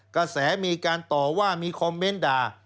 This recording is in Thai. กระแสมีการต่อว่ามีคอมเมนต์ด่า